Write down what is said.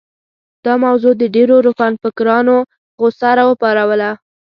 دا موضوع د ډېرو روښانفکرانو غوسه راوپاروله.